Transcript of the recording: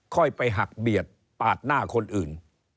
ค่อยไปหักเบียดปาดหน้าคนอื่น